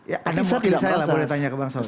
ya anggap saja lah boleh tanya ke bang saud